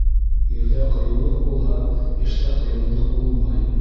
Ирҙә ҡыйыулыҡ булһа, эштә ҡыйынлыҡ булмай.